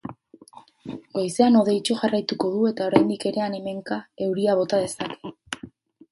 Goizean hodeitsu jarraituko du eta oraindik ere han-hemenka euria bota dezake.